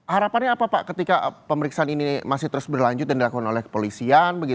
harapannya apa pak ketika pemeriksaan ini masih terus berlanjut dan dilakukan oleh kepolisian